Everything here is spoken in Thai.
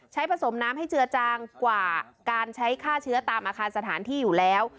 ผสมน้ำให้เจือจางกว่าการใช้ฆ่าเชื้อตามอาคารสถานที่อยู่แล้ว